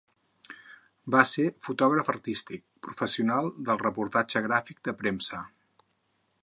Va ser fotògraf artístic, professional del reportatge gràfic de premsa.